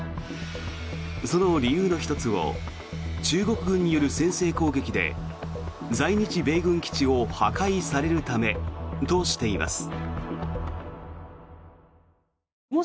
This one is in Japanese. その理由の１つを中国軍による先制攻撃で在日米軍基地を破壊されるためとしています。